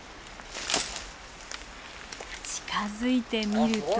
近づいてみると。